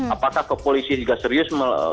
apakah kepolisian juga serius